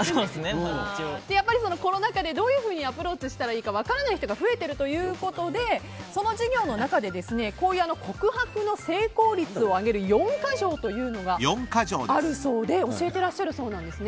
コロナ禍でどういうふうにアプローチしたらいいか分からない人が増えているということでその授業の中で告白の成功率を上げる４か条というのがあるそうで教えてらっしゃるそうなんです。